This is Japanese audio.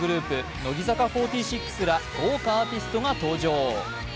乃木坂４６ら豪華アーティストが登場。